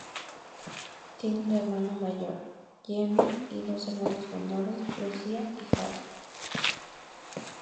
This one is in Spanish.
Tiene un hermano mayor, Jamie, y dos hermanos menores, Lucia y Harry.